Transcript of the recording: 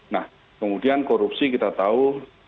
nah kemudian korupsi kita tahu